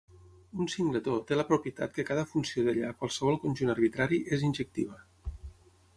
Un singletó té la propietat que cada funció d'ella a qualsevol conjunt arbitrari és injectiva.